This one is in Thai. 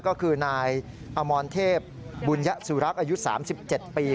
ก็คือนายอมรเทพบุญยสุรักษ์อายุ๓๗ปี